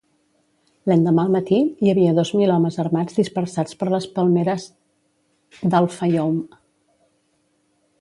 L'endemà al matí, hi havia dos mil homes armats dispersats per les palmeres d'Al-Fayoum.